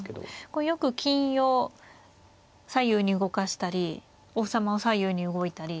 これよく金を左右に動かしたり王様を左右に動いたり。